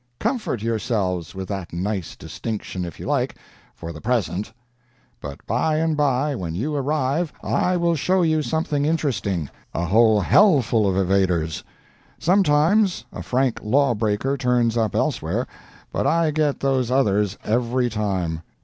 Comfort yourselves with that nice distinction if you like for the present. But by and by, when you arrive, I will show you something interesting: a whole hell full of evaders! Sometimes a frank law breaker turns up elsewhere, but I get those others every time.